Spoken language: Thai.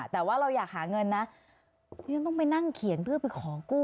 แต่ว่าเราอยากหาเงินนะที่ฉันต้องไปนั่งเขียนเพื่อไปขอกู้